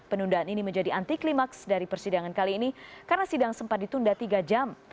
penundaan ini menjadi anti klimaks dari persidangan kali ini karena sidang sempat ditunda tiga jam